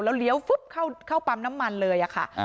แล้วเลี้ยวฟุ๊บเข้าเข้าปั๊มน้ำมันเลยอะค่ะอ่า